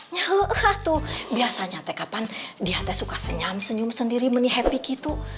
nyahe hah tuh biasanya teh kapan di hati suka senyam senyum sendiri menyebik gitu